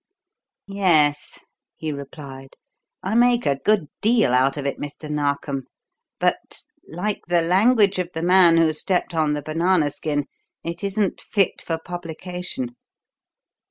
"Yes," he replied; "I make a good deal out of it, Mr. Narkom, but, like the language of the man who stepped on the banana skin, it isn't fit for publication.